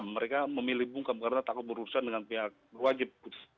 mereka memilih bungkam karena tak berurusan dengan pihak wajib